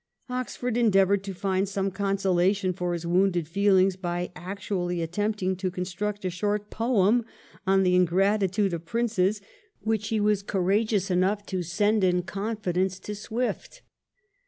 Oxford endeavoured to find some consolation for his wounded feelings by actually attempting to construct a short poem on the ingratitude of princes, which he was courageous enough to send in confidence to Swift.